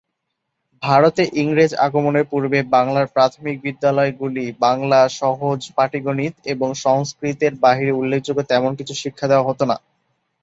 ভারতে ইংরেজ আগমনের পূর্বে বাংলার প্রাথমিক বিদ্যালয়গুলিতে বাংলা, সহজ পাটিগণিত ও সংস্কৃতের বাইরে উল্লেখযোগ্য তেমন কিছু শিক্ষা দেওয়া হতো না।